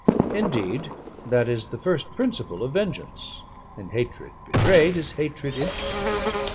Indeed, that is the first principle of vengeance; and hatred betrayed is hatred impotent.